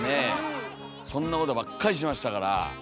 そんなことばっかりしましたから。